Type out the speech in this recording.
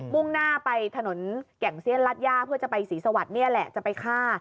่งหน้าไปถนนแก่งเซียนรัฐย่าเพื่อจะไปศรีสวรรค์นี่แหละจะไปฆ่า